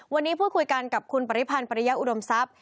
วันนี้พูดคุยกันกับคุณปริพันธ์ปริยะอุดมทรัพย์